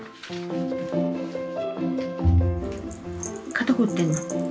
肩凝ってんの？